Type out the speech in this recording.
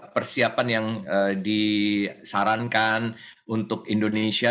persiapan yang disarankan untuk indonesia